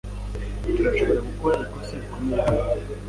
Turashobora gukora ikosa rikomeye hano.